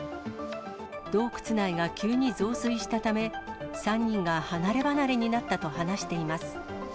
洞窟内が急に増水したため、３人が離れ離れになったと話しています。